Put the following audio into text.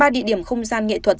ba địa điểm không gian nghệ thuật